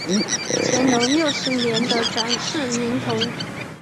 乾隆六十年的转世灵童。